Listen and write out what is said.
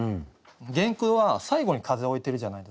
原句は最後に「風」を置いてるじゃないですか。